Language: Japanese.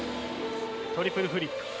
トリプルフリップ。